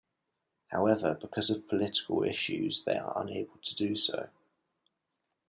However, because of political issues, they are unable to do so.